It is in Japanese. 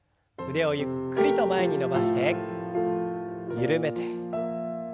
腕をゆっくりと前に伸ばして緩めて。